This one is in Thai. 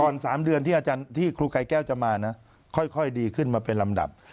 ตอน๓เดือนที่ครูไก้แก้วจะมาค่อยดีขึ้นมาเป็นลำดับ